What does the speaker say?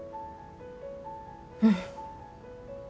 うん。